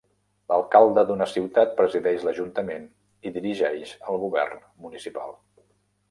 L'alcalde d'una ciutat presideix l'Ajuntament i dirigeix el Govern Municipal.